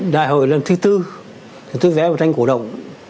đại hội lần thứ bốn tôi vẽ một tranh cổ động